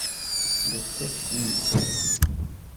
Tella d takti-nsen.